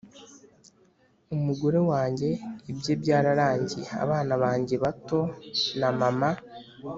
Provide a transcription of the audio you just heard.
Umugore wange ibye byararangiye abana bange bato na mama